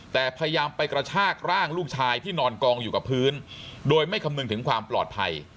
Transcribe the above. แต่พยายามไปกระชากร่างลูกชายที่นอนกองอยู่กับพื้นโดยไม่คำนึงถึงความปลอดภัย